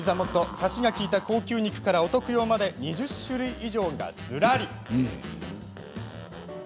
サシがきいた高級肉からお徳用まで２０種類以上がずらり。